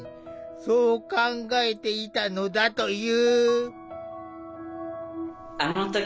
そう考えていたのだという。